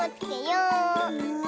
うん？